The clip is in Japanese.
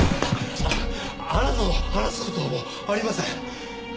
あなたと話す事はもうありません。